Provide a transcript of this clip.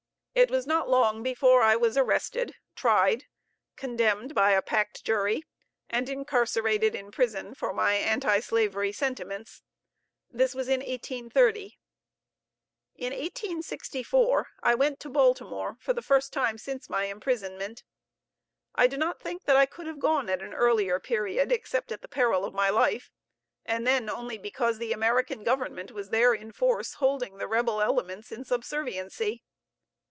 It was not long before I was arrested, tried, condemned by a packed jury, and incarcerated in prison for my anti slavery sentiments. This was in 1830. In 1864 I went to Baltimore for the first time since my imprisonment. I do not think that I could have gone at an earlier period, except at the peril of my life; and then only because the American Government was there in force, holding the rebel elements in subserviency.